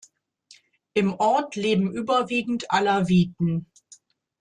Im Ort leben überwiegend Alawiten.